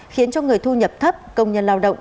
khiến cho người thu nhập thấp công nhân lao động